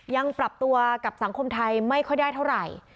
ยังปรับตัวกับสังคมไทยไม่ค่อยได้เท่าไหร่